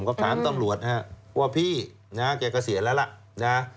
ก็ถามตำรวจฮะว่าพี่นะฮะเขาก็เสียแล้วล่ะนะฮะ